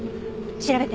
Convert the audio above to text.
調べて。